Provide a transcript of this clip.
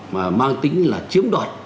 mà mang tính là chiếm đoạt